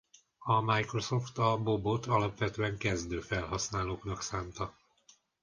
A Microsoft a Bobot alapvetően kezdő felhasználóknak szánta.